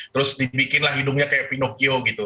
terus dibikinlah hidungnya kayak pinocchio gitu